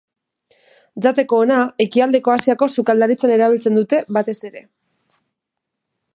Jateko ona, ekialdeko Asiako sukaldaritzan erabiltzen dute batez ere.